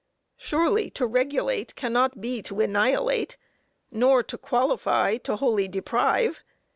Surely, to regulate cannot be to annihilate! nor to qualify to wholly deprive.